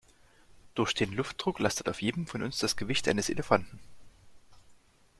Durch den Luftdruck lastet auf jedem von uns das Gewicht eines Elefanten.